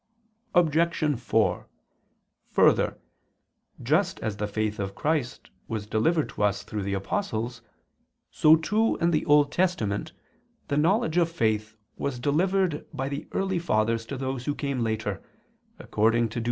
Obj. 4: Further, just as the faith of Christ was delivered to us through the apostles, so too, in the Old Testament, the knowledge of faith was delivered by the early fathers to those who came later, according to Deut.